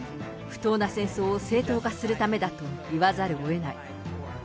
不当な戦争を正当化するためだと言わざるをえない。